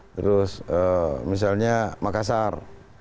terus misalnya makassar